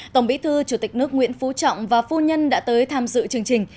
tổng bí thư chủ tịch nước nguyễn phú trọng và phu nhân đã tới tham dự chương trình